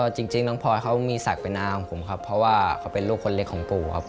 จริงน้องพลอยเขามีศักดิ์เป็นนาของผมครับเพราะว่าเขาเป็นลูกคนเล็กของปู่ครับ